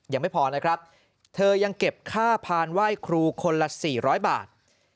ยังไม่พอนะครับเธอยังเก็บค่าพานไหว้ครูคนละ๔๐๐บาท